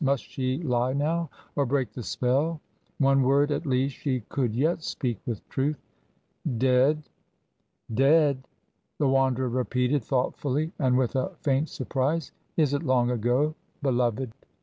Must she lie now, or break the spell? One word, at least, she could yet speak with truth. "Dead." "Dead!" the Wanderer repeated, thoughtfully and with a faint surprise. "Is it long ago, beloved?"